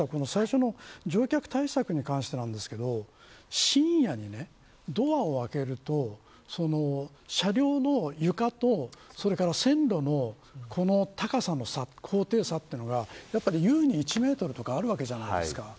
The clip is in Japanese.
最初の乗客対策に関してなんですが深夜にドアを開けると車両の床とそれから線路の高さの差というのがゆうに１メートルとかあるわけじゃないですか。